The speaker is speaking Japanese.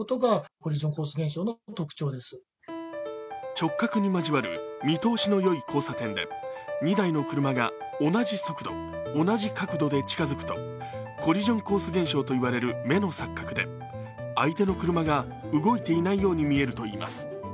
直角に交わる見通しのよい交差点で２台の車が同じ速度、同じ角度で近づくとコリジョンコース現象と言われる目の錯覚で相手の車が動いていないように見えるといいます。